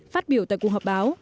phát biểu tại cuộc họp báo